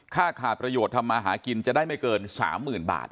ค่าขาดประโยชน์ทำมาหากินจะได้ไม่เกิน๓๐๐๐บาท